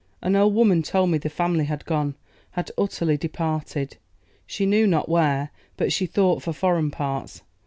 An old woman told me the family had gone, had utterly departed; she knew not where, but she thought for foreign parts.